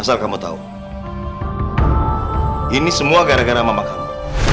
asal kamu tahu ini semua gara gara mama kamu